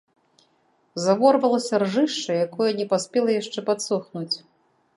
Заворвалася ржышча, якое не паспела яшчэ падсохнуць.